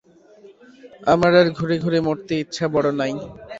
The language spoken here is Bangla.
আমার আর ঘুরে ঘুরে মরতে ইচ্ছা বড় নাই।